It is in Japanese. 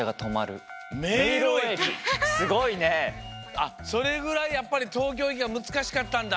あっそれぐらいやっぱりとうきょうえきがむずかしかったんだ。